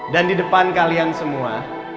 dan di depan kalian semua